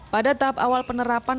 pada tahap awal penerapan